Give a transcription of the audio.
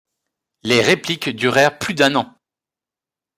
Les répliques durèrent plus d'un an.